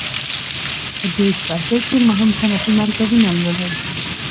په دې څپرکي کې مهم صنعتي مرکبونه لولئ.